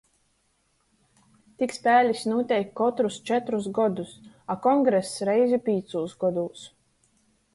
Tik spēlis nūteik kotrus četrus godus, a kongress reizi pīcūs godūs.